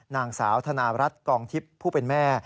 นางสาวธนารัฐกองทิพย์ผู้เป็นแม่